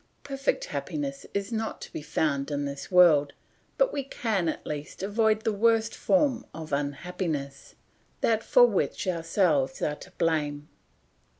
Perfect happiness is not to be found in this world, but we can, at least, avoid the worst form of unhappiness, that for which ourselves are to blame.